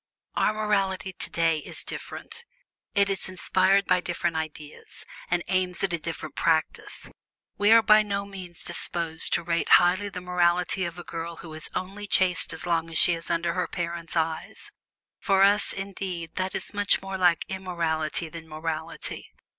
Our morality today is different. It is inspired by different ideas, and aims at a different practice. We are by no means disposed to rate highly the morality of a girl who is only chaste so long as she is under her parents' eyes; for us, indeed, that is much more like immorality than morality.